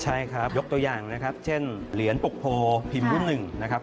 ใช่ครับยกตัวอย่างนะครับเช่นเหรียญปกโพพิมพ์รุ่นหนึ่งนะครับ